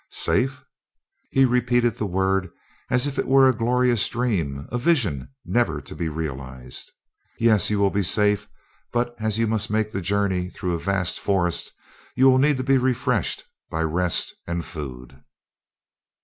"Safe!" He repeated the word as if it were a glorious dream a vision never to be realized. "Yes, you will be safe; but as you must make the journey through a vast forest, you will need to be refreshed by rest and food."